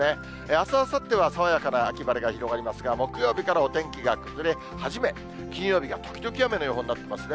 あす、あさっては爽やかな秋晴れが広がりますが、木曜日からお天気が崩れ始め、金曜日が時々雨の予報になってますね。